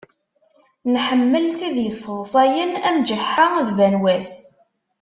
Nḥemmel tid yesseḍsayen am Ǧeḥḥa d Banwas.